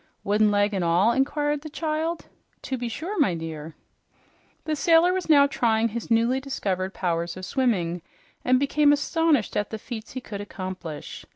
"Wooden leg an' all?" inquired the child. "To be sure, my dear." The sailor was now trying his newly discovered power of swimming, and became astonished at the feats he could accomplish.